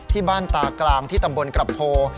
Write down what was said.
ที่บ้านตากลางที่ตำบลกระโพ